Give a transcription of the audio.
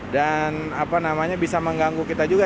dan apa namanya bisa mengganggu kita ya